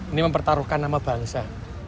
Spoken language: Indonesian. ini mempertaruhkan nama bangsa